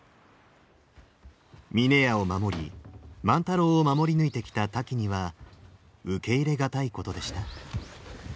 峰屋を守り万太郎を守り抜いてきたタキには受け入れ難いことでした。